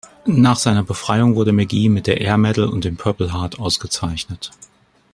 Nach seiner Befreiung wurde Magee mit der Air Medal und dem Purple Heart ausgezeichnet.